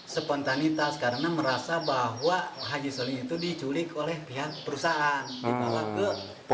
spontanitas karena merasa bahwa haji solihin itu diculik oleh pihak perusahaan dibawa ke